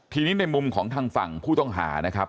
ทีนี้ในมุมของทางฝั่งผู้ต้องหานะครับ